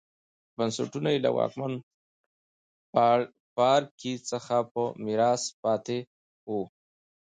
بنسټونه یې له واکمن پاړکي څخه په میراث پاتې وو